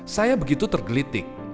saya begitu tergelitik